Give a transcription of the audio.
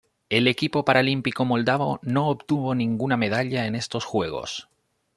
El equipo paralímpico moldavo no obtuvo ninguna medalla en estos Juegos.